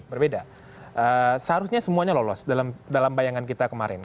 berbeda seharusnya semuanya lolos dalam bayangan kita kemarin